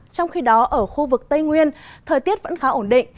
trong khi đó ở khu vực tây nguyên thời tiết vẫn khá ổn định